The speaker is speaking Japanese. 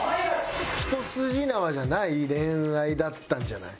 一筋縄じゃない恋愛だったんじゃない？